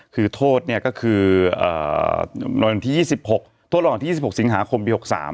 คือโทษก็คือตัวรอดอันที่๒๖สิงหาคมปี๖๓